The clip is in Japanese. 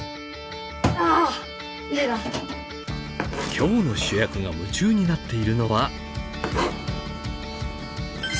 今日の主役が夢中になっているのは。